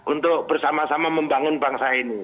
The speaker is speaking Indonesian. untuk bersama sama membangun bangsa ini